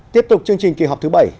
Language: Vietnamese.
tiếp tục chương trình kỳ họp thứ bảy